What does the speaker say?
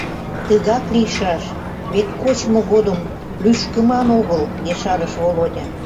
— Тыгак лийшаш, вет кочмо годым лӱшкыман огыл, — ешарыш Володя.